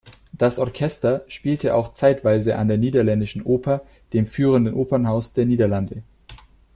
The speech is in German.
Das Orchester spielt auch zeitweise an der Niederländischen Oper, dem führenden Opernhaus der Niederlande.